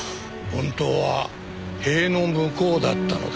本当は塀の向こうだったのだ。